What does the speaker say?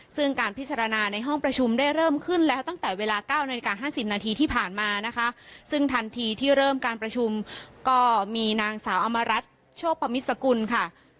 ซึ่งการพิจารณาในห้องประชุมได้เริ่มขึ้นแล้วตั้งแต่เวลา๙นาฬิกา๕๐นาทีที่ผ่านมานะคะซึ่งทันทีที่เริ่มการประชุมก็มีนางสาวอมรัฐโชคปมิตรสกุลค่ะ